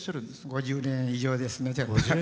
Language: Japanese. ５０年以上です。